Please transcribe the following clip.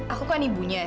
aku kan ibunya